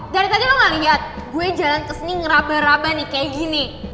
dari tadi lo gak lihat gue jalan kesini ngeraba raba nih kayak gini